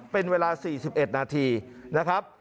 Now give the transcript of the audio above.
เป็นเวลา๔๑นาทีนะครับ